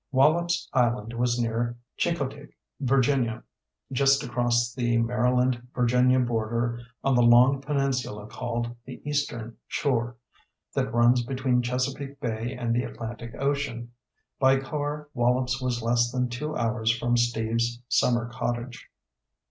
Wallops Island was near Chincoteague, Virginia, just across the Maryland Virginia border on the long peninsula called "The Eastern Shore" that runs between Chesapeake Bay and the Atlantic Ocean. By car, Wallops was less than two hours from Steve's summer cottage.